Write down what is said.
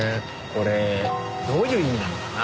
これどういう意味なのかな？